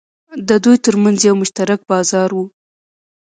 د دوی ترمنځ یو مشترک بازار و.